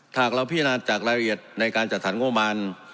ถากเราพินาศ์จากรายละเอียดในการจัดสรรคโมงบารณ์